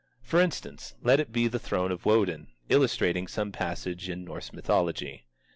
For instance, let it be the throne of Wodin, illustrating some passage in Norse mythology.